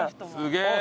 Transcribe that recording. すげえ。